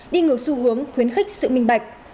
đi ngược xu hướng khuyến khích sự minh bạch